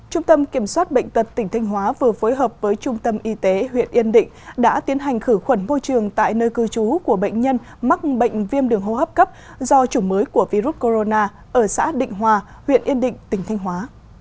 trung tâm kiểm soát bệnh tật tỉnh thanh hóa vừa phối hợp với trung tâm y tế huyện yên định đã tiến hành khử khuẩn môi trường tại nơi cư trú của bệnh nhân mắc bệnh viêm đường hô hấp cấp do chủng mới của virus corona ở xã định hòa huyện yên định tỉnh thanh hóa